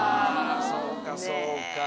そうかそうか。